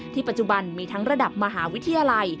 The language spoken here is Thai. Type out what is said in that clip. ปัจจุบันมีทั้งระดับมหาวิทยาลัย